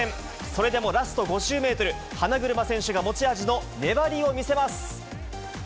それでもラスト５０メートル、花車選手が持ち味の粘りを見せます。